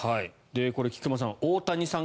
これは菊間さん大谷さん